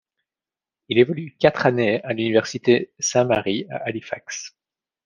Il évolue quatre années à l'Université Saint Mary à Halifax.